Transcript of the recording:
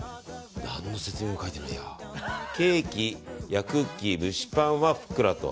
ケーキやクッキー、蒸しパンはふっくらと。